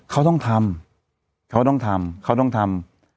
เขาต้องทำเขาต้องทำเขาต้องทำ